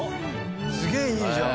すげえいいじゃん。